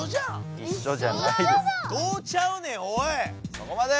そこまで！